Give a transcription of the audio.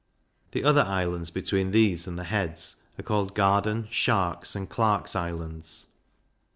The other islands, between these and the heads, are called Garden, Shark's, and Clark's Islands.